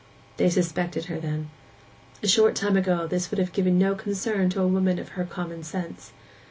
They suspected her, then. A short time ago this would have given no concern to a woman of her common sense.